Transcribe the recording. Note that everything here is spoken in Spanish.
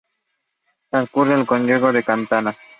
Transcurre por el concello de Chantada.